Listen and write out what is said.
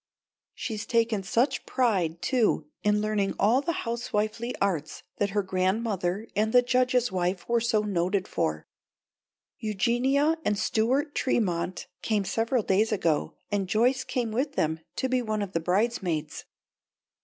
She's taken such pride too in learning all the housewifely arts that her grandmother and the Judge's wife were so noted for. Eugenia and Stuart Tremont came several days ago, and Joyce came with them to be one of the bridesmaids.